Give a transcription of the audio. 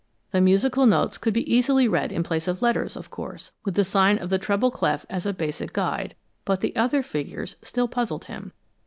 The musical notes could be easily read in place of letters, of course, with the sign of the treble clef as a basic guide, but the other figures still puzzled him.